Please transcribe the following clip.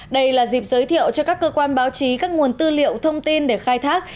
đây là dịp giới thiệu cho các cơ quan báo chí các nguồn tư liệu thông tin để khai thác